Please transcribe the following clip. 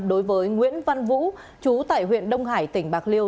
đối với nguyễn văn vũ chú tại huyện đông hải tỉnh bạc liêu